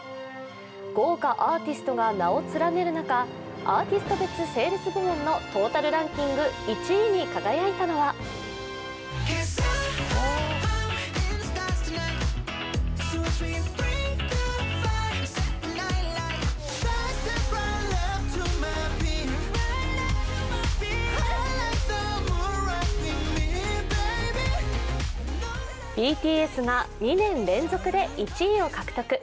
豪華アーティストが名を連ねる中アーティスト別セールス部門のトータルランキング１位に輝いたのはＢＴＳが２年連続で１位を獲得。